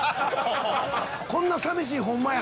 こんな寂しい「ほんまや」